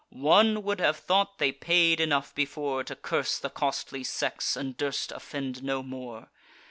One would have thought they paid enough before, To curse the costly sex, and durst offend no more.